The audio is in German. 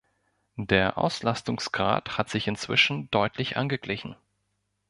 Der Auslastungsgrad hat sich inzwischen deutlich angeglichen.